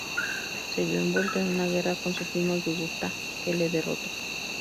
Se vio envuelto en una guerra con su primo Yugurta, que le derrotó.